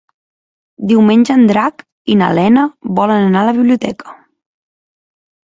Diumenge en Drac i na Lena volen anar a la biblioteca.